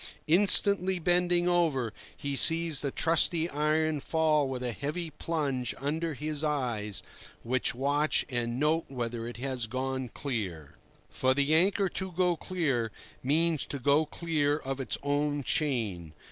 Instantly bending over, he sees the trusty iron fall with a heavy plunge under his eyes, which watch and note whether it has gone clear. For the anchor "to go clear" means to go clear of its own chain.